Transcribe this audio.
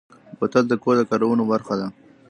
بوتل د کور د کارونو برخه ده.